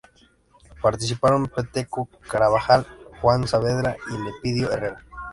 Participaron Peteco Carabajal, Juan Saavedra y Elpidio Herrera.